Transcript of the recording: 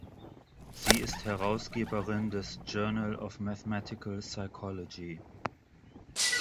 Sie ist Herausgeberin des "Journal of Mathematical Psychology".